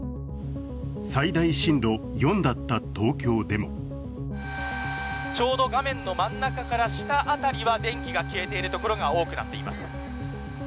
最大震度４だった東京でもちょうど画面の真ん中から下辺りは電気が消えているところが多くなっています。